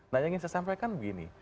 nah yang ingin saya sampaikan begini